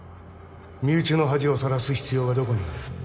身内の恥を晒す必要がどこにある？